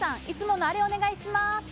いつものあれお願いします。